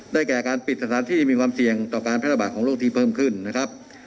แก่การปิดสถานที่มีความเสี่ยงต่อการแพร่ระบาดของโรคที่เพิ่มขึ้นนะครับ